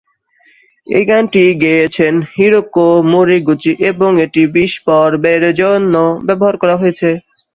এই গানটি গেয়েছেন হিরোকো মোরিগুচি এবং এটি বিশ পর্বের জন্য ব্যবহার করা হয়েছে।